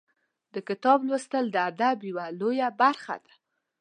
د کتاب لوستل د ادب یوه لویه برخه ده.